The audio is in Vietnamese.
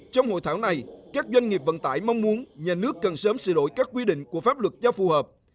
trong hội thảo này các doanh nghiệp vận tải mong muốn nhà nước cần sớm sửa đổi các quy định của pháp luật cho phù hợp